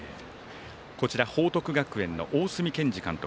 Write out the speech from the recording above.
こちら、報徳学園の大角健二監督。